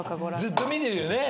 ずっと見てるよね。